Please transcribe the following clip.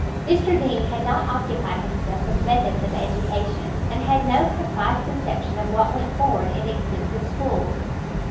Mr Deane had not occupied himself with methods of education, and had no precise conception of what went forward in expensive schools.